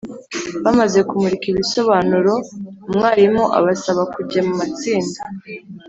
bamaze kumurika ibisobanuro, umwarimu abasaba kujya mu matsinda